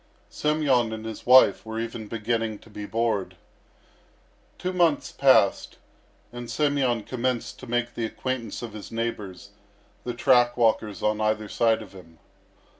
Semyon and his wife were even beginning to be bored. Two months passed, and Semyon commenced to make the acquaintance of his neighbours, the track walkers on either side of him.